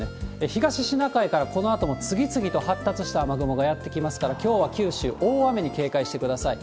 東シナ海からこのあとも次々と発達した雨雲がやって来ますから、きょうは九州、大雨に警戒してください。